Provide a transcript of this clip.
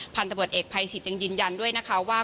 พันธบทเอกภัยสิทธิ์ยังยืนยันด้วยนะคะว่า